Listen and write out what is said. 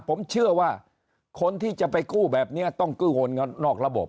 ผมเชื่อว่าคนที่จะไปกู้แบบนี้ต้องกู้เงินนอกระบบ